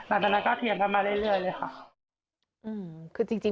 หลังจากนั้นก็เขียนมาเรื่อยเรื่อยเลยค่ะอืมคือจริงจริง